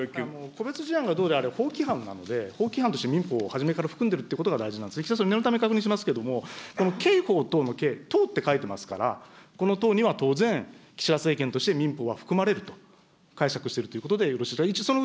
個別事案がどうであれ、法規範なので、法規範として民法を初めから含んでいるということが大事なんですね、岸田総理、念のため確認しますけれども、この刑法等の刑、等って書いてますから、この等には当然、岸田政権として、民法は含まれると解釈しているということでよろしいですか。